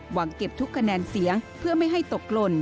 หวังเก็บทุกคะแนนเสียงเพื่อไม่ให้ตกหล่น